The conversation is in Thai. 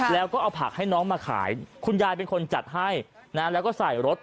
แล้วก็เอาผักให้น้องมาขายคุณยายเป็นคนจัดให้นะแล้วก็ใส่รถ